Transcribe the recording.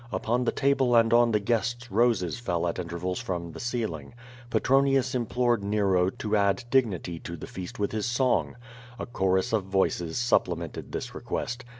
Upon the table and on the guests roses fell at intervals from the ceiling. Petronius implored Nero to add dignity to the feast with his song. A chorus of voices supplemented this request.